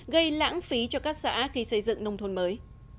gây lãng phí cho các xã khi xây dựng nông thôn mới